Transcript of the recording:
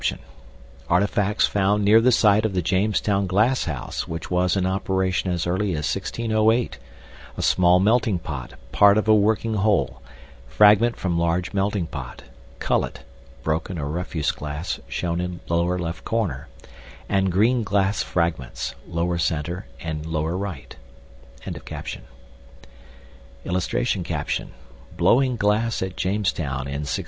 King.)] [Illustration: ARTIFACTS FOUND NEAR THE SITE OF THE JAMESTOWN GLASSHOUSE WHICH WAS IN OPERATION AS EARLY AS 1608: A SMALL MELTING POT, PART OF A WORKING HOLE, FRAGMENT FROM LARGE MELTING POT, CULLET (BROKEN OR REFUSE GLASS SHOWN IN LOWER LEFT CORNER), AND GREEN GLASS FRAGMENTS (LOWER CENTER AND LOWER RIGHT).] [Illustration: BLOWING GLASS AT JAMESTOWN IN 1608.